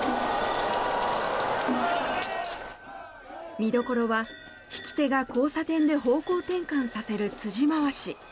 見どころは引き手が交差点で方向転換させる辻回し。